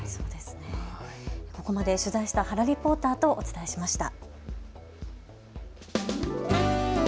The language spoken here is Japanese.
ここまで取材した原リポーターとお伝えしました。